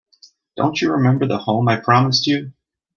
Don't you remember the home I promised you?